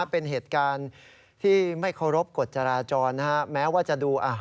เป็นเหตุการณ์ที่ไม่เคารพกฎจราจรนะฮะแม้ว่าจะดู